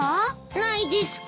ないですか。